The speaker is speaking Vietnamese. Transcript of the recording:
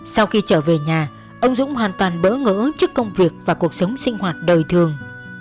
sau khi trở về nhà ông dũng hoàn toàn bỡ ngỡ trước công việc và cuộc sống sinh hoạt đời thường